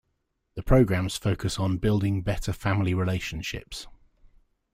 The programs focus on building better family relationships.